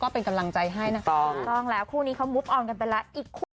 โปรดติดตามตอนต่อไป